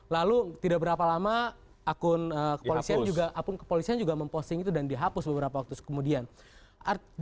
lalu tidak berapa lama akun kepolisian juga memposting itu dan dihapus beberapa waktu kemudian